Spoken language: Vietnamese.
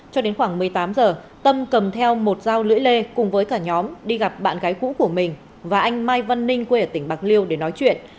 cho đến khoảng một mươi tám h tâm cầm theo một dao lưỡi lê cùng với cả nhóm đi gặp bạn gái cũ của mình và anh mai văn ninh quê ở tỉnh bạc liêu để nói chuyện